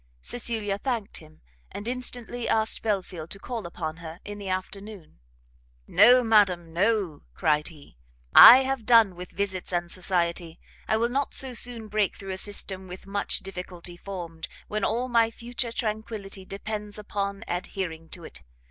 Cecilia thanked him, and instantly asked Belfield to call upon her in the afternoon. "No, madam, no," cried he, "I have done with visits and society! I will not so soon break through a system with much difficulty formed, when all my future tranquility depends upon adhering to it.